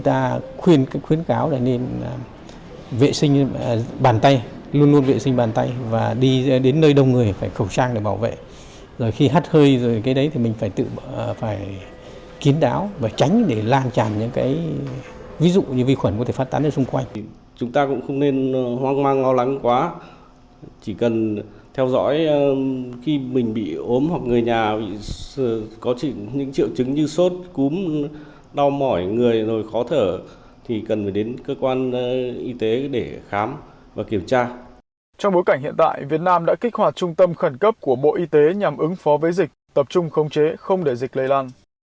trong bối cảnh hiện tại việt nam đã kích hoạt trung tâm khẩn cấp của bộ y tế nhằm ứng phó với dịch tập trung khống chế không để dịch lây lan